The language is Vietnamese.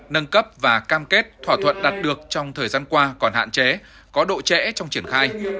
nâng cấp và cam kết thỏa thuận đạt được trong thời gian qua còn hạn chế có độ trễ trong triển khai